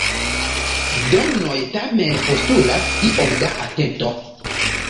Dornoj tamen postulas iom da atento.